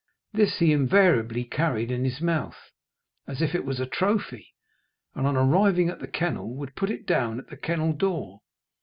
This he invariably carried in his mouth, as if it was a trophy, and on arriving at the kennel would put it down at the kennel door.